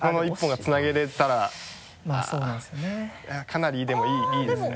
かなりでもいいですね。